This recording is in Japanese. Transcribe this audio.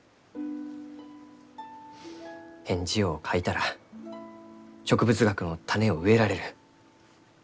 返事を書いたら植物学の種を植えられる。